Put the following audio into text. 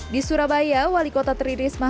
di surabaya wali kota tririsma